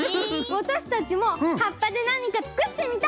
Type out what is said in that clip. わたしたちもはっぱでなにかつくってみたい！